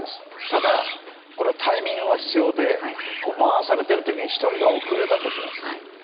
ただこれはタイミングが必要で回されている時に１人が遅れたとします。